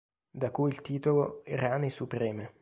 Da cui il titolo "Rane supreme".